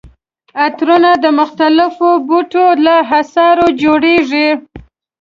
عطرونه د مختلفو بوټو له عصارې جوړیږي.